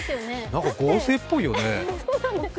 なんか合成っぽいよね？